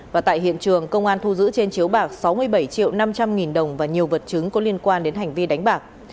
và tại hiện trường công an thu giữ trên chiếu bạc sáu mươi bảy triệu năm trăm linh nghìn đồng và nhiều vật chứng có liên quan đến hành vi đánh bạc